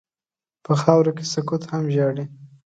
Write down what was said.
په خاوره کې سکوت هم ژاړي.